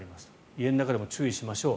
家の中でも注意しましょう。